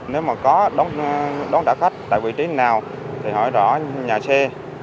nếu mà có đón trả khách tại vị trí nào thì hỏi rõ nhà xe